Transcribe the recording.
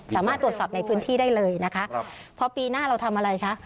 สามารถตรวจสอบในพื้นที่ได้เลยนะคะครับพอปีหน้าเราทำอะไรคะ